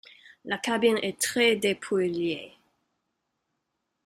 La cabine est très dépouillée.